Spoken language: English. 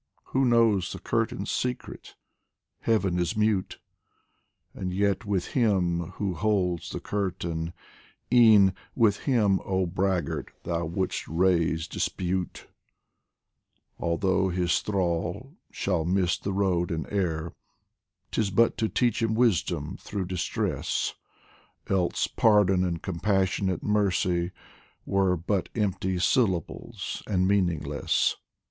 W r ho knows the Curtain's secret ?... Heaven is mute ! And yet with Him who holds the Curtain, e'en With Him, oh Braggart, thou would'st raise dis pute ! 79 POEMS FROM THE Although His thrall shall miss the road and err, 'Tis but to teach him wisdom through distress, Else Pardon and Compassionate Mercy were But empty syllables and meaningless.